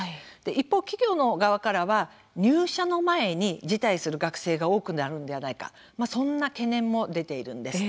一方、企業の側からは入社の前に辞退する学生が多くなるんではないかそんな懸念も出ているんです。